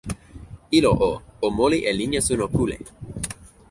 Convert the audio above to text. ilo o, o moli e linja suno kule.